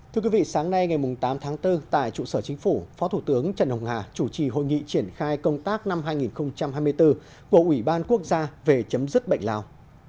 thưa quý vị sáng nay ngày tám tháng bốn tại trụ sở chính phủ phó thủ tướng trần hồng hà chủ trì hội nghị triển khai công tác năm hai nghìn hai mươi bốn của ủy ban quốc gia về chấm dứt bệnh lao